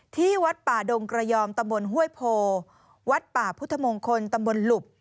ที่วัดป่าดงกระยอมตำบลห้วยโพวัดป่าพุทธมงคลตำบลหลุบ